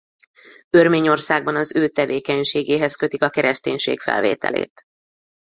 Örményországban az ő tevékenységéhez kötik a kereszténység felvételét.